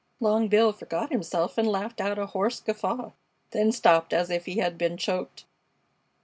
Long Bill forgot himself and laughed out a hoarse guffaw, then stopped as if he had been choked.